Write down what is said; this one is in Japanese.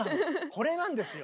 これなんですよ！